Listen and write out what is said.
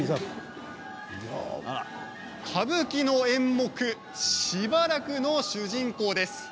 歌舞伎の演目「暫」の主人公です。